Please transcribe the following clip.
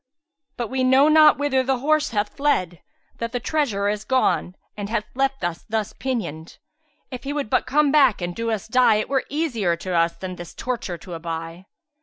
But we know not whither the horse hath fled, that the treasurer is gone and hath left us thus pinioned. If he would but come back and do us die, it were easier to us than this torture to aby."